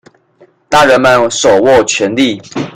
大人們手握權利